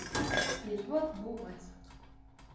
Перевод булмаясаҡ.